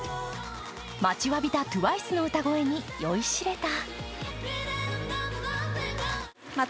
待ちわびたＴＷＩＣＥの歌声に酔いしれた。